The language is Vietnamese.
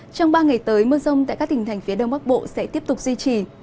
trong ba ngày tới mưa rông tại các tỉnh thành phía đông bắc bộ sẽ tiếp tục duy trì